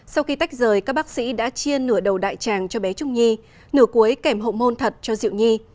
sau khi tách rời các bác sĩ đã chiên nửa đầu đại tràng cho bé trúc nhi nửa cuối kẻm hộng môn thật cho diệu nhi